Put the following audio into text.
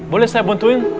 boleh saya bantuin